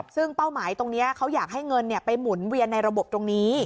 ซึ่งเป้าหมายตรงนี้เขาอยากให้เงินไปหมุนเวียนในระบบตรงนี้